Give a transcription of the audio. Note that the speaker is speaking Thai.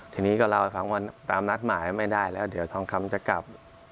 ทีนี้ก็เล่า๒วันตามนัดหมายไม่ได้แล้วเดี๋ยวทองคำจะกลับ